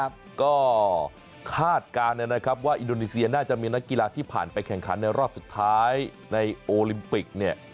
ก็คาดการณ์นะครับว่าอินโดนีเซียน่าจะมีนักกีฬาที่ผ่านไปแข่งขันในรอบสุดท้ายในโอลิมปิกเนี่ย